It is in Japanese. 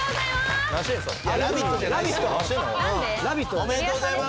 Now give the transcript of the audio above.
おめでとうございます！